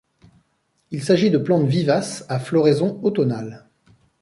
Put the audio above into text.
Il s'agit de plantes vivaces à floraison automnale.